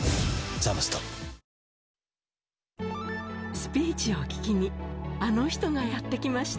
スピーチを聞きに、あの人がやって来ました。